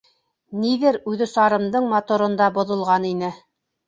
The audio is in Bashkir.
Ниҙер үҙосарымдың моторында боҙолған ине.